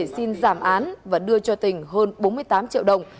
xin giảm án và đưa cho tình hơn bốn mươi tám triệu đồng